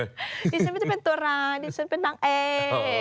ดิฉันไม่ได้เป็นตัวร้ายดิฉันเป็นนางเอ